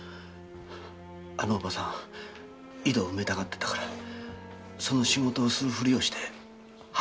あのおばさんは井戸を埋めたがってたからその仕事をする振りをして運び出せると思う。